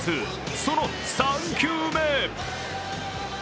その３球目。